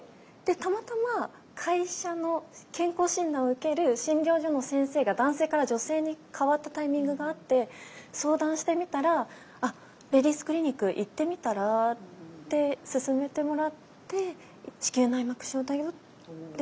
でたまたま会社の健康診断を受ける診療所の先生が男性から女性に代わったタイミングがあって相談してみたら「レディースクリニック行ってみたら？」って勧めてもらって「子宮内膜症だよ。